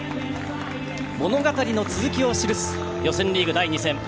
物語の続きを記す予選リーグ第２戦。